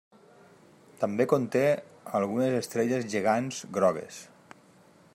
També conté algunes estrelles gegants grogues.